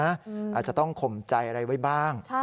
อาจจะต้องข่มใจอะไรไว้บ้าง